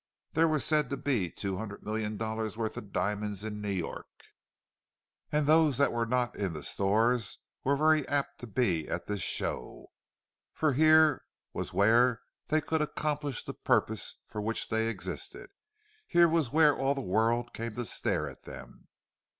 There were said to be two hundred million dollars' worth of diamonds in New York, and those that were not in the stores were very apt to be at this show; for here was where they could accomplish the purpose for which they existed—here was where all the world came to stare at them.